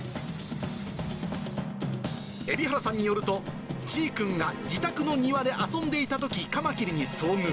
海老原さんによると、ちぃくんが自宅の庭で遊んでいたとき、カマキリに遭遇。